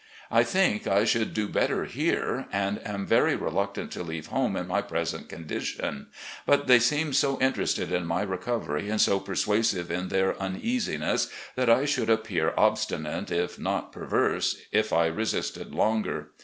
I think I should do better here, and am very reluctant to leave home in my present condition; but they seem so interested in my recovery and so per FAILING HEALTH 385 suasive in their uneasiness that I should appear obstinate, if not perverse, if I resisted longer.